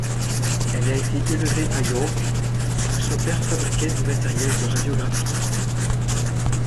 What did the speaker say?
Elle a été élevée à York, où son père fabriquait du matériel de radiographie.